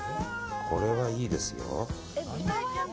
これはいいですよ。